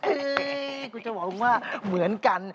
เฮ้้กูจะบอกมึงว่าเหมือนกัน